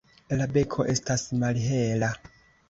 La beko estas malhela.